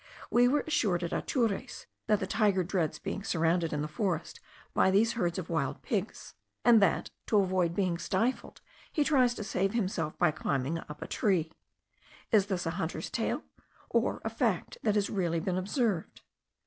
We were assured at Atures, that the tiger dreads being surrounded in the forests by these herds of wild pigs; and that, to avoid being stifled, he tries to save himself by climbing up a tree. Is this a hunter's tale, or a fact that has really been observed?